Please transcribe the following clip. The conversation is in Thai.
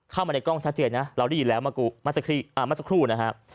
เข้ามาในกล้องชัดเจนนะเราได้ยินแล้วเมื่อสักครู่นะครับ